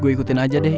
gue ikutin aja deh